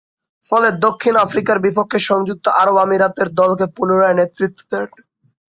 ফলে দক্ষিণ আফ্রিকার বিপক্ষে সংযুক্ত আরব আমিরাতে দলকে পুনরায় নেতৃত্ব দেন।